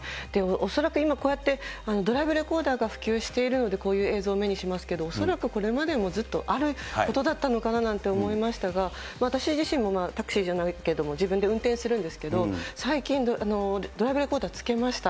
恐らく今こうやって、ドライブレコーダーが普及しているので、こういう映像を目にしますけど、恐らくこれまでもずっとあることだったのかななんて思いましたが、私自身もタクシーじゃないけれども、自分で運転するんですけど、最近、ドライブレコーダーつけました。